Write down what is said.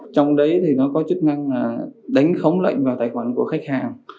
trong đấy thì nó có chức năng đánh khống lệnh vào tài khoản của khách hàng